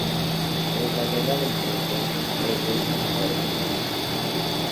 Tras la Guerra de Marruecos, regresa a Córdoba.